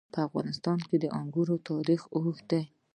په افغانستان کې د انګور تاریخ اوږد دی.